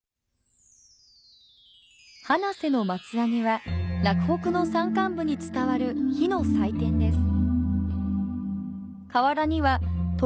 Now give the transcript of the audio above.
花脊松上げは、洛北の山間部に伝わる火の祭典です。